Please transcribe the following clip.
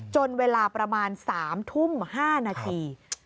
จนเวลาประมาณ๓ทุ่ม๕นาที